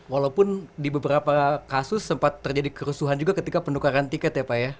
walaupun di beberapa kasus sempat terjadi kerusuhan juga ketika penukaran tiket ya pak ya